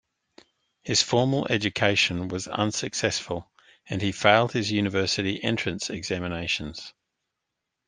His formal education was unsuccessful, and he failed his university entrance examinations.